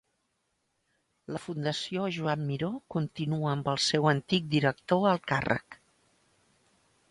La Fundació Joan Miró continua amb el seu antic director al càrrec